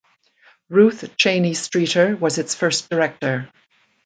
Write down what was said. Ruth Cheney Streeter was its first director.